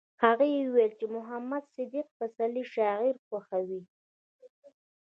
هغې وویل چې د محمد صدیق پسرلي شاعري خوښوي